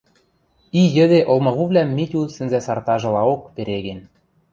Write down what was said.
И йӹде олмавувлӓм Митю сӹнзӓсартажылаок переген.